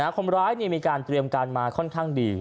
คนร้ายมีการเตรียมการมาค่อนข้างดี